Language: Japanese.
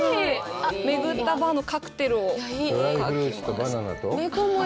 めぐったバーのカクテルを描きました。